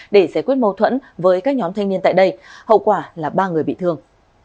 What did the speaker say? để giải quyết mâu thuẫn với các nhóm thanh niên tại đây hậu quả là ba người bị thương